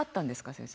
先生。